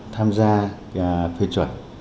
tham gia phê chuẩn